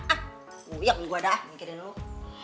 ah kuyuk nih gua dah